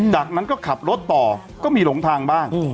จากนั้นก็ขับรถต่อก็มีหลงทางบ้าง